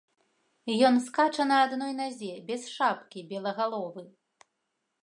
Ён скача на адной назе, без шапкі, белагаловы.